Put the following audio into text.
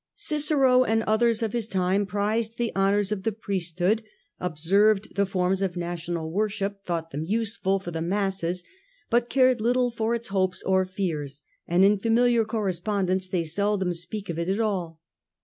Cicero and others of his time prized the honours of the priesthood, observed the forms of national worship, thought them useful for the masses, but cared little for its hopes or fears, and in familiar correspondence they The policy of scldom spcak of it at all.